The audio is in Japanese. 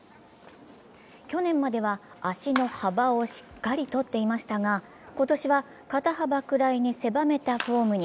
去年までは足の幅をしっかり取っていましたが、今年は肩幅くらいに狭めたフォームに。